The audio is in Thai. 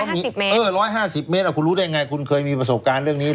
มี๑๕๐เมตรคุณรู้ได้ไงคุณเคยมีประสบการณ์เรื่องนี้